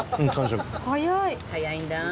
早いんだ。